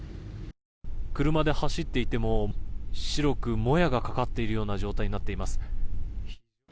車で走っていても白くもやがかかっているような状態になっています。